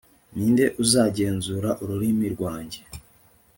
ni nde uzagenzura ururimi rwanjye